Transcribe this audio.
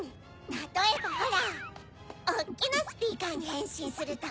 たとえばほらおっきなスピーカーにへんしんするとか。